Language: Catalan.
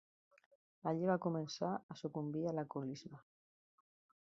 Allí va començar a sucumbir a l'alcoholisme.